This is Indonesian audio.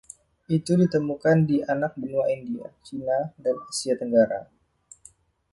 Itu ditemukan di anak benua India, China, dan Asia Tenggara.